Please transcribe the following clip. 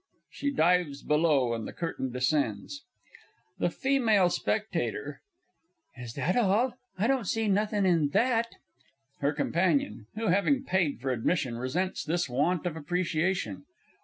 [She dives below, and the Curtain descends. THE F. S. Is that all? I don't see nothing in that! HER COMP. (who, having paid for admission, resents this want of appreciation).